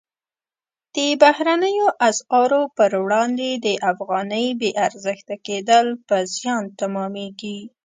د بهرنیو اسعارو پر وړاندې د افغانۍ بې ارزښته کېدل په زیان تمامیږي.